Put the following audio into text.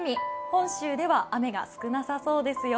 本州では雨が少なそうですよ。